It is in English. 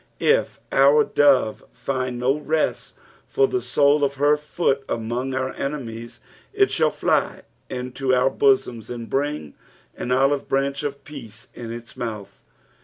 If our dove find no rest for the sole ot hei foot among our enemies, it shall fly into our bosoms and bring an olive branch of peace in its mouth.